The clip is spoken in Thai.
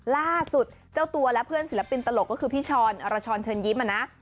ล่าสุดเจ้าตัวและเพื่อนศิลปินตลกก็คือพี่ช้อนอรชรเชิญยิ้มอ่ะนะ